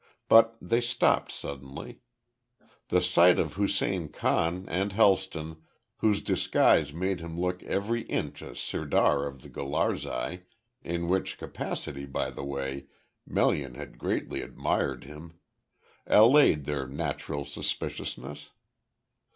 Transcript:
But they stopped suddenly. The sight of Hussein Khan, and Helston, whose disguise made him look every inch a sirdar of the Gularzai in which capacity, by the way, Melian had greatly admired him allayed their natural suspiciousness.